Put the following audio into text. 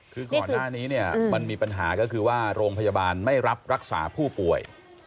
คือก่อนหน้านี้เนี่ยมันมีปัญหาก็คือว่าโรงพยาบาลไม่รับรักษาผู้ป่วย